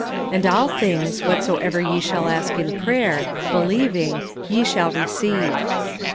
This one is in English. "And all things, whatsoever ye shall ask in player, believing, ye shall receive."